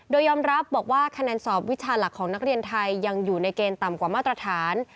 โดยยอมรับบอกว่าคะแนนสอบวิชาหลักของนักเรียนไทยยังอยู่ในเกณฑ์ต่ำกว่ามาตรฐาน